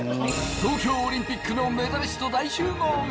東京オリンピックのメダリスト大集合スペシャル。